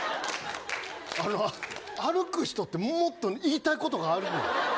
歩く人ってもっと言いたいことがある。